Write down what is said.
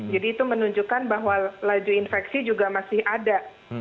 jadi itu menunjukkan bahwa laju infeksi juga masih ada